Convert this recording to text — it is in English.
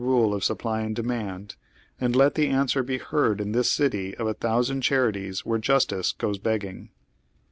rule of supply and demand, and let the answer be heard in this city of a thousand charities where justice goes beg ging.